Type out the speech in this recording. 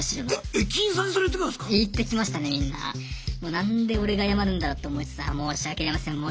何で俺が謝るんだろうって思いつつ申し訳ありません申し訳ありません。